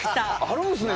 あるんですね